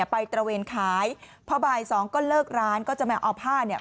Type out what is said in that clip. ตระเวนขายพอบ่ายสองก็เลิกร้านก็จะมาเอาผ้าเนี่ย